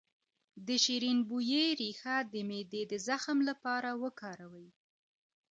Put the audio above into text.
د شیرین بویې ریښه د معدې د زخم لپاره وکاروئ